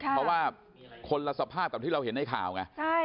เพราะว่าคนละสภาพกับที่เราเห็นในข่าวไง